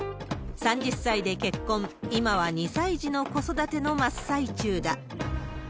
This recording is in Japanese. ３０歳で結婚、今は２歳児の子育ての真っ最中だ。